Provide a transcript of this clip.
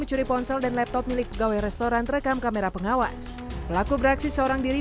pencuri ponsel dan laptop milik pegawai restoran terekam kamera pengawas pelaku beraksi seorang diri